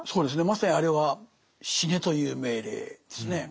まさにあれは死ねという命令ですね。